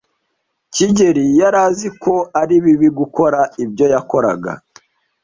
kigeli yari azi ko ari bibi gukora ibyo yakoraga.